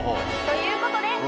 ということで。